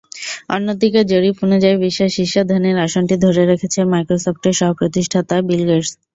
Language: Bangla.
অন্যদিকে জরিপ অনুযায়ী বিশ্বের শীর্ষ ধনীর আসনটি ধরে রেখেছেন মাইক্রোসফটের সহপ্রতিষ্ঠাতা বিল গেটস।